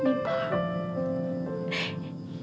ini mah gimana ini pa